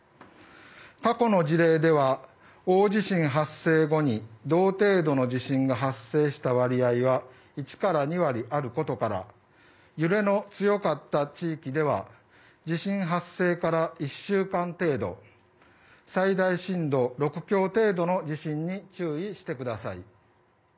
過去の事例では、大地震発生後に同程度の地震が発生した割合が１から２割あることから揺れの強かった地域では地震発生から１週間程度最大震度６強程度の地震に注意してください。